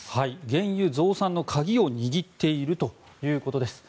原油増産の鍵を握っているということです。